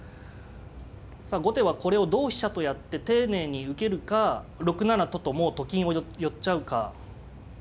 さあ後手はこれを同飛車とやって丁寧に受けるか６七とともうと金を寄っちゃうか。